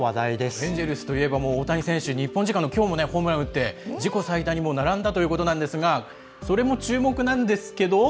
エンジェルスといえば大谷選手、日本時間のきょうもホームランを打って自己最多に並んだということですがそれも注目なんですけど。